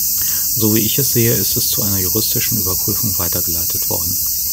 So, wie ich es sehe, ist es zu einer juristischen Überprüfung weitergeleitet worden.